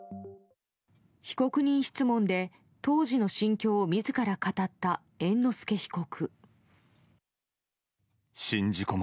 被告人質問で、当時の心境を自ら語った猿之助被告。